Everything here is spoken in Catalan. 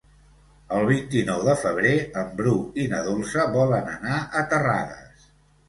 El vint-i-nou de febrer en Bru i na Dolça volen anar a Terrades.